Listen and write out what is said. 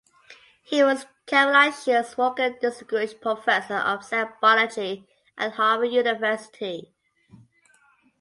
He was Caroline Shields Walker Distinguished Professor of Cell Biology at Harvard University.